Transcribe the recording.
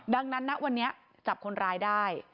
ดังนั้นนะวันนี้จับคนร้ายได้